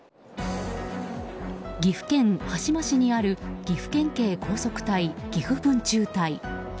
岐阜県羽島市にある岐阜県警高速隊岐阜分中隊。